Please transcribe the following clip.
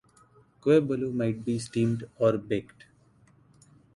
Kue bolu might be steamed or baked.